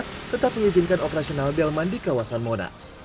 jakarta pusat tetap mengizinkan operasional delman di kawasan monas